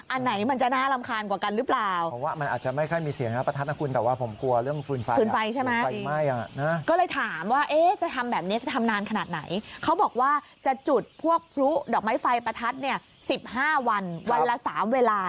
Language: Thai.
อันไหนมันจะน่ารำคาญกว่ากันหรือเปล่า